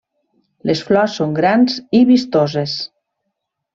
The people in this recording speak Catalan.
Les flors són grans i vistoses.